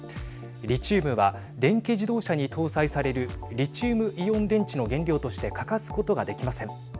リチウムは電気自動車に搭載されるリチウムイオン電池の原料として欠かすことができません。